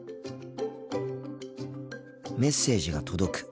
メッセージが届く。